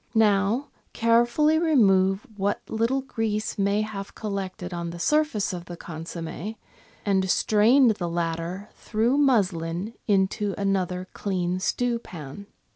Now carefully remove what little grease may have col lected on the surface of the consomm^, and strain the latter through muslin into another clean stewpan.